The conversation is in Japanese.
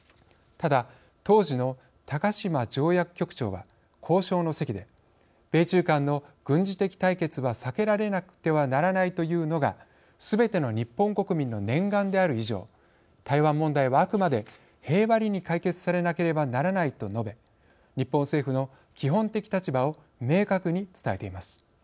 ただ、当時の高島条約局長は交渉の席で「米中間の軍事的対決は避けられなくてはならないというのが、すべての日本国民の念願である以上台湾問題はあくまで平和裏に解決されなければならない」と述べ日本政府の基本的立場を明確に伝えています。